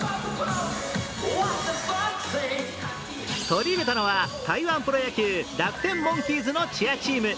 取り入れたのは台湾プロ野球楽天モンキーズのチアチーム。